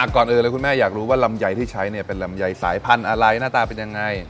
ก่อนอื่นเลยคุณแม่อยากรู้ว่าลำไยที่ใช้เป็นลำไยสายพันธุ์อะไรหน้าตาเป็นยังไง